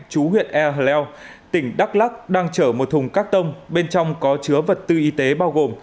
chú huyện ea leo tỉnh đắk lắc đang chở một thùng các tông bên trong có chứa vật tư y tế bao gồm